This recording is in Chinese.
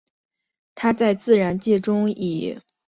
它在自然界中以稀有矿物羟铟石的形式存在。